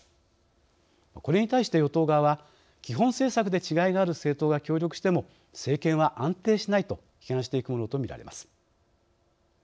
これに対して、与党側は「基本政策で違いがある政党が協力しても政権は安定しない」と批判していくものと見られます。